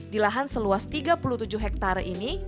di lahan seluas tiga puluh tujuh hektare ini